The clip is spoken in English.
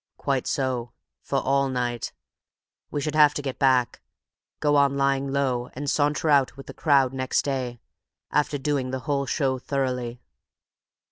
"Quite so—for all night. We should have to get back, go on lying low, and saunter out with the crowd next day—after doing the whole show thoroughly."